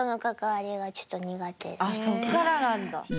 あそっからなんだ。